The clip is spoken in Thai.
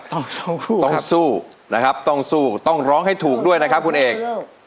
ต้องสู้นะครับต้องร้องให้ถูกด้วยนะครับคุณเอก